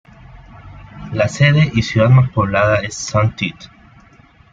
La sede y ciudad más poblada es Saint-Tite.